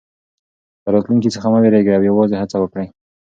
له راتلونکي څخه مه وېرېږئ او یوازې هڅه وکړئ.